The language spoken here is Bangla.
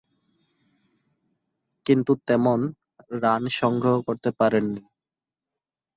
কিন্তু তেমন রান সংগ্রহ করতে পারেননি।